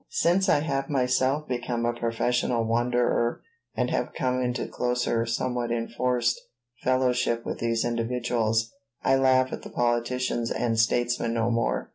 Since I have myself become a professional wanderer and have come into closer, somewhat enforced, fellowship with these individuals I laugh at the politicians and statesmen no more.